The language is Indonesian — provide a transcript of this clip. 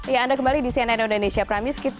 ya anda kembali di cnn indonesia pramidz